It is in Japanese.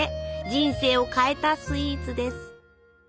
人生を変えたスイーツです。